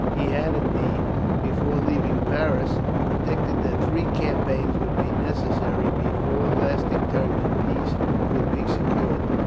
He had, indeed, before leaving Paris, predicted that three campaigns would be necessary before lasting terms of peace could be secured.